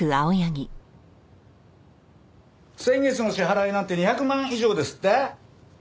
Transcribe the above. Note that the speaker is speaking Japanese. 先月の支払いなんて２００万以上ですって？